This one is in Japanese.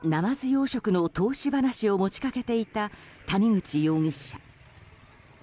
養殖の投資話を持ち掛けていた谷口容疑者。